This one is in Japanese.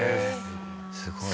すごい。